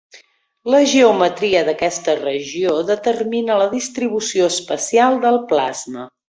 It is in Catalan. La geometria d'aquesta regió determina la distribució espacial del plasma.